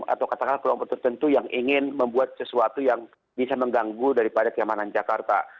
atau katakanlah kelompok tertentu yang ingin membuat sesuatu yang bisa mengganggu daripada keamanan jakarta